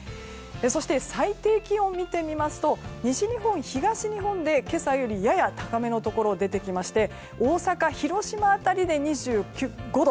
そして最低気温を見てみますと西日本、東日本で今朝よりやや高めのところが出てきまして大阪、広島辺りで２５度。